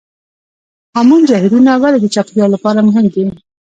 هامون جهیلونه ولې د چاپیریال لپاره مهم دي؟